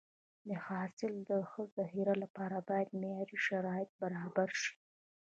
د حاصل د ښه ذخیرې لپاره باید معیاري شرایط برابر شي.